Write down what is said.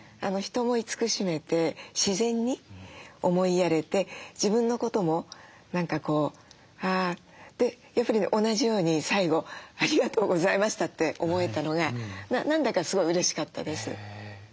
人を慈しめて自然に思いやれて自分のことも何かこうあでやっぱりね同じように最後「ありがとうございました」って思えたのが何だかすごいうれしかったです。